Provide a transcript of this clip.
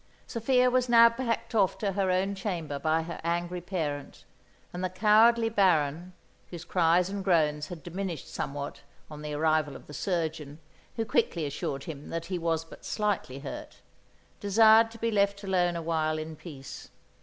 Sophia was now packed off to her own chamber by her angry parent; and the cowardly Baron, whose cries and groans had diminished somewhat on the arrival of the surgeon, who quickly assured him that he was but slightly hurt, desired to be left alone a while in peace.